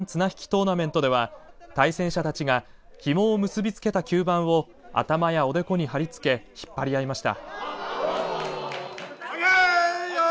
また、恒例の吸盤綱引きトーナメントでは対戦者たちがひもを結びつけた吸盤を頭やおでこに貼りつけ引っ張り合いました。